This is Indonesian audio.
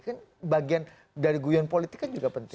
kan bagian dari guyon politik kan juga penting